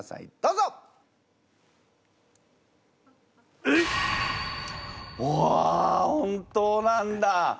うわ本当なんだ！